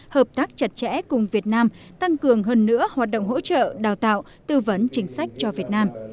hợp tác chặt chẽ cùng việt nam tăng cường hơn nữa hoạt động hỗ trợ đào tạo tư vấn chính sách cho việt nam